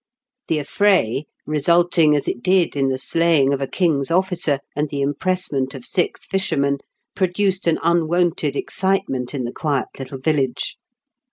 The affray, resulting as it did in the slaying of a King's officer, and the impressment of six fishermen, produced an unwonted excitement in the quiet little village.